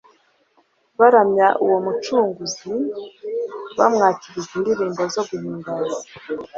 baramya uwo Mucunguzi bamwakiriza indirimbo zo guhimbaza.